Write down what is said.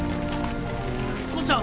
安子ちゃん。